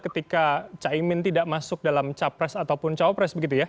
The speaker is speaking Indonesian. ketika caimin tidak masuk dalam capres ataupun cawapres begitu ya